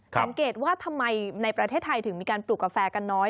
สังเกตว่าทำไมในประเทศไทยถึงมีการปลูกกาแฟกันน้อย